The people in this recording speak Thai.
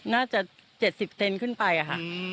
น่าจะเจ็ดสิบเทนขึ้นไปค่ะ